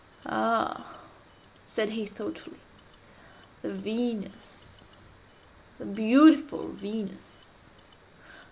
"Ha!" said he thoughtfully, "the Venus—the beautiful Venus?